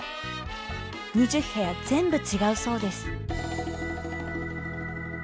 ２０部屋全部違うそうです。